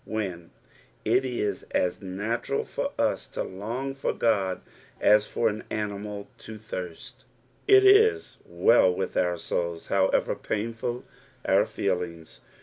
When it is as natural for us to long for God as few an animal to thirst, it is well with our souta, however painful our fcelinga.